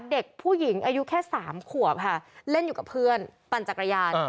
เด็กผู้หญิงอายุแค่๓ขวบค่ะเล่นอยู่กับเพื่อนปั่นจักรยาน